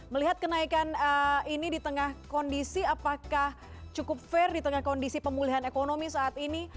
melihat kenaikan ini di tengah kondisi apakah cukup fair di tengah kondisi pemulihan ekonomi saat ini